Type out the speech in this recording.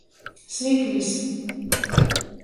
Sviklis.